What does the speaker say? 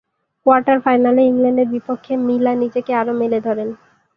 কোয়ার্টার-ফাইনালে ইংল্যান্ডের বিপক্ষে মিলা নিজেকে আরও মেলে ধরেন।